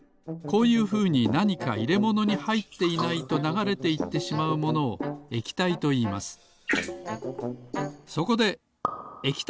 こういうふうになにかいれものにはいっていないとながれていってしまうものを液体といいます。